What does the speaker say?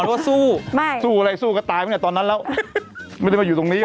ตกลงว่าสู้สู้อะไรสู้กระตาขึ้นตอนนั้น้าไม่ได้มาอยู่ตรงนี้หรอ